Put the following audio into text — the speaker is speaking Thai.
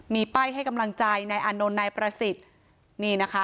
มีป้ายให้กำลังใจนายอานนท์นายประสิทธิ์นี่นะคะ